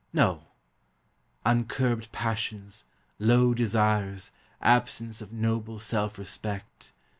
No: uncurbed passions, low desires, Absence of noble self respect.